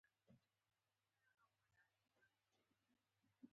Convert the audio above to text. انتیک مواد ور واستول.